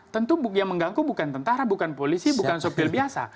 tentu yang mengganggu bukan tentara bukan polisi bukan sopir biasa